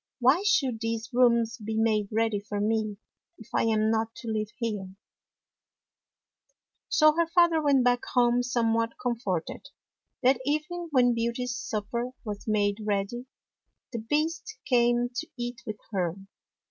Why should these rooms be made ready for me, if I am not to live here ?"[ 83 ] FAVORITE FAIRY TALES RETOLD So her father went back home somewhat comforted. That evening, when Beauty's supper was made ready, the Beast came to eat with her.